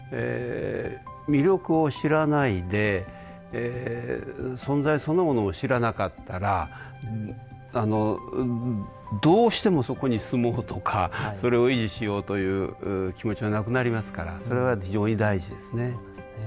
魅力を知らないで存在そのものも知らなかったらどうしてもそこに住もうとかそれを維持しようという気持ちはなくなりますからそれは非常に大事ですね。